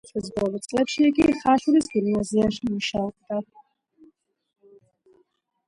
სიცოცხლის ბოლო წლებში იგი ხაშურის გიმნაზიაში მუშაობდა.